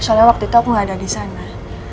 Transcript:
soalnya waktu itu aku gak ada disana